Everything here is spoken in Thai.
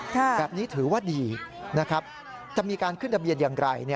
แบบนี้ถือว่าดีนะครับจะมีการขึ้นทะเบียนอย่างไร